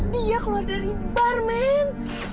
dia keluar dari bar men